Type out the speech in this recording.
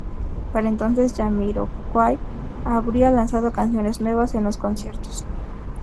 Para entonces, Jamiroquai habría lanzado canciones nuevas en los conciertos.